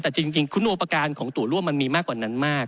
แต่จริงคุณอุปการณ์ของตัวร่วมมันมีมากกว่านั้นมาก